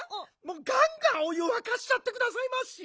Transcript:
ガンガンお湯わかしちゃってくださいまし！